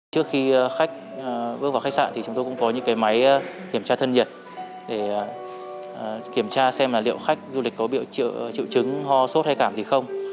trước khi khách bước vào khách sạn thì chúng tôi cũng có những cái máy kiểm tra thân nhiệt để kiểm tra xem là liệu khách du lịch có bị triệu chứng ho sốt hay cảm gì không